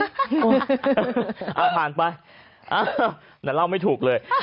เอาผ่านไปแต่เล่าไม่ถูกเลย